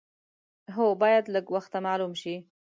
هو باید لږ وخته معلوم شي.